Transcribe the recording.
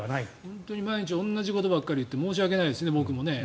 本当に毎日同じことばっかり言って申し訳ないですね、僕もね。